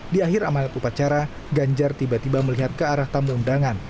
di akhir amanat upacara ganjar tiba tiba melihat ke arah tamu undangan